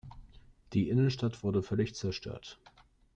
Die Innenstadt wurde völlig zerstört.